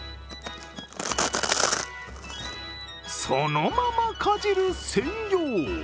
そのままかじる専用。